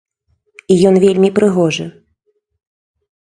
І ён вельмі прыгожы.